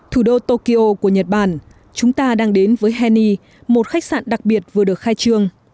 thủ đô tokyo của nhật bản chúng ta đang đến với henny một khách sạn đặc biệt vừa được khai trương